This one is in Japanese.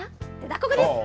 ここです。